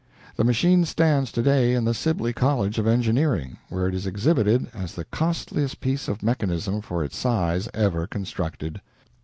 The machine stands to day in the Sibley College of Engineering, where it is exhibited as the costliest piece of mechanism for its size ever constructed.